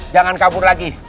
jangan kabur lagi